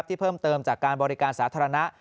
เพิ่มเติมจากการบริการสาธารณะ